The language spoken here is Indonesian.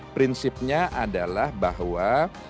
prinsipnya adalah bahwa